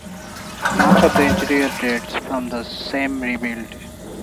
Much of the interior dates from the same rebuild.